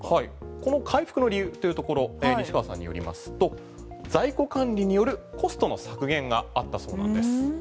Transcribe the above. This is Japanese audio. この回復の理由というところ西川さんによりますと在庫管理によるコストの削減があったそうなんです。